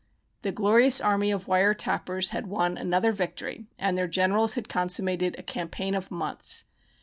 The glorious army of wire tappers had won another victory and their generals had consummated a campaign of months.